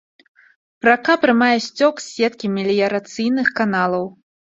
Рака прымае сцёк з сеткі меліярацыйных каналаў.